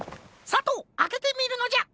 さとうあけてみるのじゃ。